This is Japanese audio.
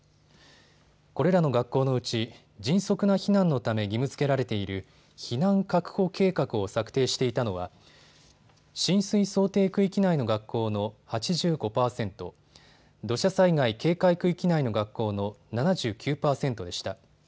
これらの学校のうち迅速な避難のため義務づけられている避難確保計画を策定していたのは浸水想定区域内の学校の８５％、土砂災害警戒区域内の学校の７９％でした。